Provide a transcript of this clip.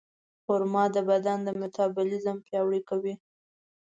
خرما د بدن میتابولیزم پیاوړی کوي.